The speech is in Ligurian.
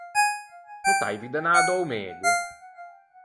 No t’aivi da anâ da-o mego?